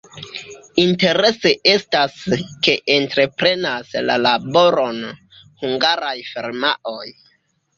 Interese estas, ke entreprenas la laboron hungaraj firmaoj.